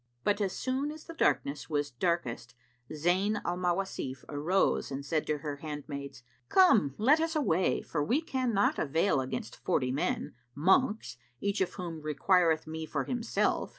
But, as soon as the darkness was darkest Zayn al Mawasif arose and said to her handmaids, "Come, let us away, for we cannot avail against forty men, monks, each of whom requireth me for himself."